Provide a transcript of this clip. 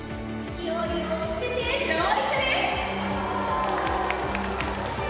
勢いをつけて上陸です！